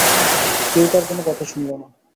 কেউ তার কোনো কথা শুনল না।